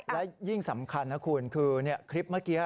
และยิ่งสำคัญนะคุณคือคลิปเมื่อกี้